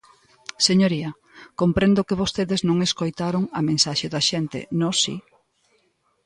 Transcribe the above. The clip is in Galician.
Señoría, comprendo que vostedes non escoitaron a mensaxe da xente, nós si.